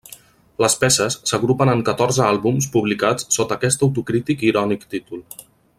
Les peces s'agrupen en catorze àlbums publicats sota aquest autocrític i irònic títol.